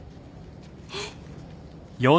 えっ？